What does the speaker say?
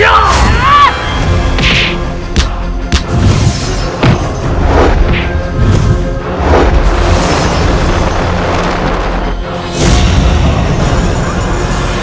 aku tidak peduli